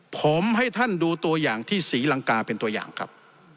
ผมให้ท่านดูตัวอย่างที่ศรีลังกาเป็นตัวอย่างครับ